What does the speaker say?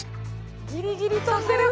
ギリギリ飛んでる？